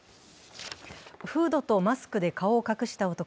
フードとマスクで顔を隠した男。